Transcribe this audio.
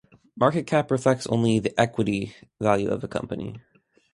Market cap reflects only the "equity" value of a company.